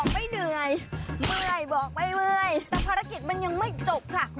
โปรดติดตามตอนต่อไป